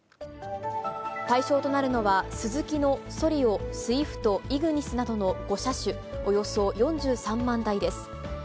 対象となるのは、スズキのソリオ、スイフト、イグニスなどの５車種、およそ４３万台です。